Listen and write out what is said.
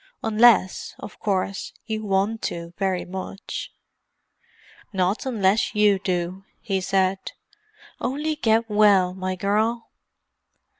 "Unless, of course, you want to very much." "Not unless you do," he said. "Only get well, my girl."